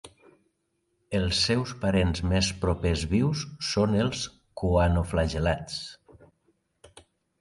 Els seus parents més propers vius són els coanoflagel·lats.